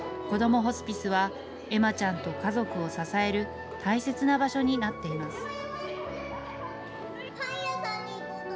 こどもホスピスは、恵麻ちゃんと家族を支える大切な場所になっています。